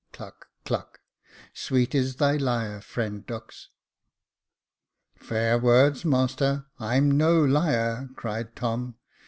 (Cluck, cluck.) Sweet is thy lyre, friend Dux." " Fair words, master; I'm no liar," cried Tom.